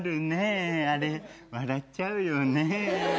あれ笑っちゃうよね。